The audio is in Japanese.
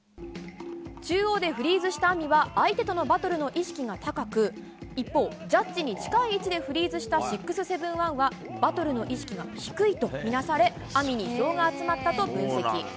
中央でフリーズしたＡＭＩは相手とのバトルの意識が高く、一方、ジャッジに近い位置でフリーズした６７１はバトルの意識が低いと見なされ、ＡＭＩに票が集まったと分析。